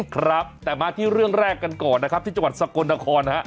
ครับแต่มาที่เรื่องแรกกันก่อนนะครับที่จังหวัดสกลนครนะฮะ